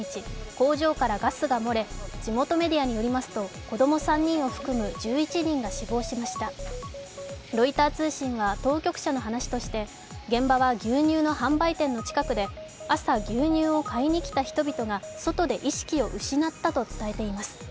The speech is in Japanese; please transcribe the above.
工場からガスが漏れ、地元メディアによりますと、子供３人を含む１１人が死亡しましたロイター通信は当局者の話として現場は牛乳の販売店の近くで朝、牛乳を買いに来た人々が外で意識を失ったと伝えています。